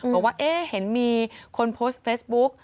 บอกว่าเห็นมีคนโพสต์เฟซบุ๊ก